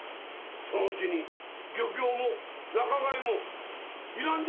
そのうちに漁協も仲買もいらん